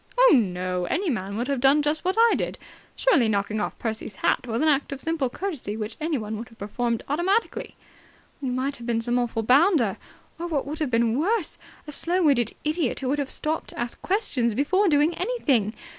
"Oh, no. Any man would have done just what I did. Surely, knocking off Percy's hat was an act of simple courtesy which anyone would have performed automatically!" "You might have been some awful bounder. Or, what would have been almost worse, a slow witted idiot who would have stopped to ask questions before doing anything.